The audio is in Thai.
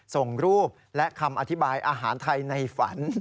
ส่งรูปและคำอธิบายอาหารไทยในฝัน